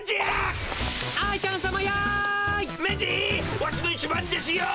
ワシの一番弟子よ。